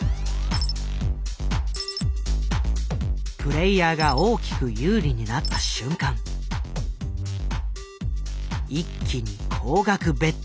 プレイヤーが大きく有利になった瞬間一気に高額ベット。